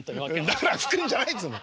だから拭くんじゃないっつうの。